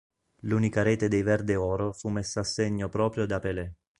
L'unica rete dei verdeoro fu messa a segno proprio da Pelé.